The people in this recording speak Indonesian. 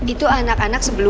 itu anak anak sebelum